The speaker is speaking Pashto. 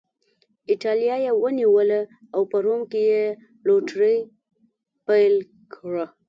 اېټالیا یې ونیوله او په روم کې یې لوټري پیل کړه.